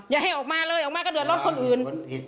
อย่าให้ออกมาเลยออกมาก็เดือดร้อนคนอื่น